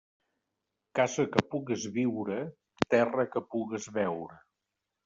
Casa que pugues viure, terra que pugues veure.